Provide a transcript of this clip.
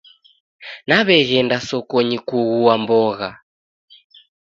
Naw'eghenda sokonyi kughua mbogha